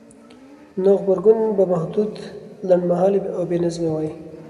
نو غبرګون به محدود، لنډمهالی او بېنظمه وای؛